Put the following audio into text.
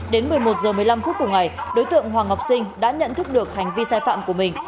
đến một mươi một h một mươi năm phút cùng ngày đối tượng hoàng ngọc sinh đã nhận thức được hành vi sai phạm của mình